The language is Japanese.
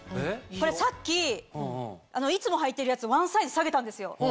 これさっきいつもはいてるやつワンサイズ下げたんですよ。